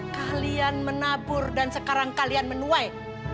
kalian menabur dan sekarang kalian menuai